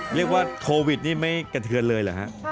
เรียกว่าโควิดนี่ไม่กระเทือนเลยเหรอฮะ